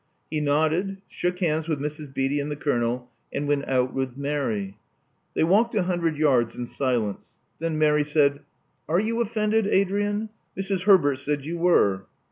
He nodded; shook hands with Mrs. Beatty and the Colonel; and went out with Mary. They walked a hundred yards in silence. Then Mary said: "Are you offended, Adrian? Mrs. Herbert said you were."